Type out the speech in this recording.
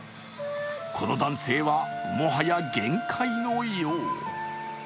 この男性はもはや限界のよう。